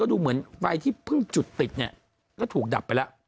ดูเหมือนไฟที่เพิ่งจุดติดเนี่ยก็ถูกดับไปแล้ว